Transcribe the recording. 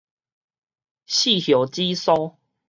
四葉紫蘇